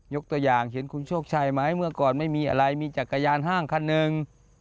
ตัวอย่างเห็นคุณโชคชัยไหมเมื่อก่อนไม่มีอะไรมีจักรยานห้างคันหนึ่ง